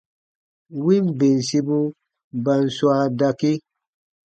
Win bensibu ba n swaa dakii.